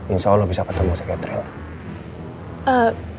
insya allah bisa ketemu se catherine